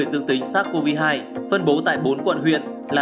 ghi nhận năm mươi ca